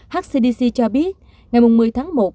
hcdc cho biết ngày một mươi tháng một